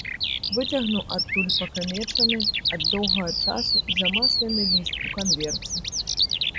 Выцягнуў адтуль пакамечаны ад доўгага часу і замаслены ліст у канверце.